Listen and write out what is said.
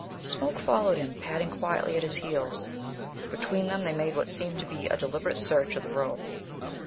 Smoke followed him, padding quietly at his heels. Between them they made what seemed to be a deliberate search of the room.